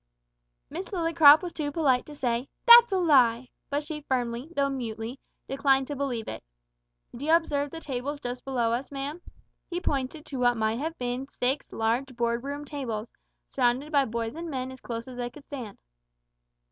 Miss Lillycrop was too polite to say, "That's a lie!" but she firmly, though mutely, declined to believe it. "D'you observe the tables just below us, ma'am?" He pointed to what might have been six large board room tables, surrounded by boys and men as close as they could stand.